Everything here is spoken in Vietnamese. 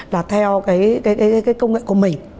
là theo cái công nghệ của mình